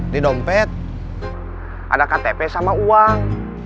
di dompet ada ktp sama uang